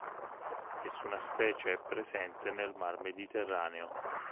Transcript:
Nessuna specie è presente nel mar Mediterraneo.